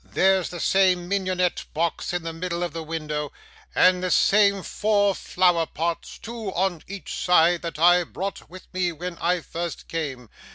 There's the same mignonette box in the middle of the window, and the same four flower pots, two on each side, that I brought with me when I first came.